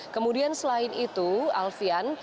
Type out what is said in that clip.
kemudian selain itu alfian